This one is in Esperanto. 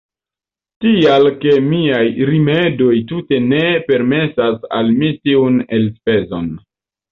Tial ke miaj rimedoj tute ne permesas al mi tiun elspezon.